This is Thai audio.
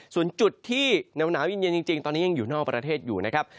ส่วนจุดที่หนาวเย็นจริงตอนนี้ยังอยู่นอกประเทศอยู่นะครับ